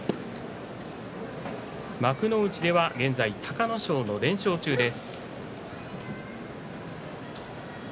幕内では現在隆の勝の連勝中です。